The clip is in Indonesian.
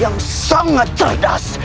yang sangat cerdas